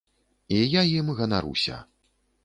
І я ім ганаруся.